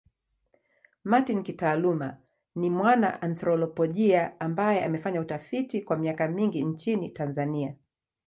Martin kitaaluma ni mwana anthropolojia ambaye amefanya utafiti kwa miaka mingi nchini Tanzania.